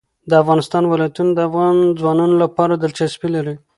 د افغانستان ولايتونه د افغان ځوانانو لپاره دلچسپي لري.